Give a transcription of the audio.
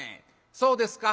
「そうですか。